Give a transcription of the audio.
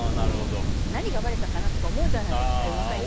何がばれたのかなって思うじゃないですか。